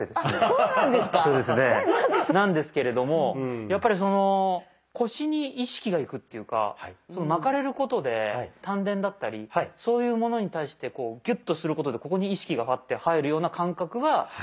そうなんですか⁉なんですけれどもやっぱりその腰に意識がいくっていうか巻かれることで丹田だったりそういうものに対してこうギュッとすることでここに意識がパッて入るような感覚は経験したことがあるというか。